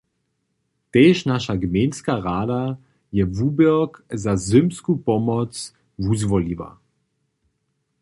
Tež naša gmejnska rada je wuběrk za zymsku pomoc wuzwoliła.